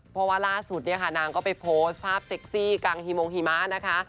เพราะว่าล่าสุดเนี่ยค่ะนางก็ไปโพสต์ภาพเซ็กซี่กังฮีมงหิมะนะคะ